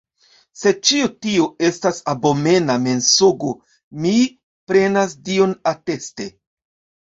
Sed ĉio tio estas abomena mensogo; mi prenas Dion ateste.